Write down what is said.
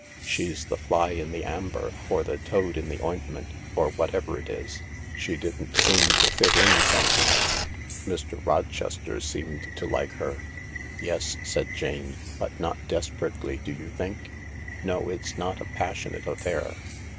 She's the fly in the amber, or thetoadin the ointment, or what ever it is. She didn't seem to fit in somehow." " Mr. Rochester seemed to like her." " Yes," said Jane, " but not desperately, do you think ?" "No, it's not a passionate affair.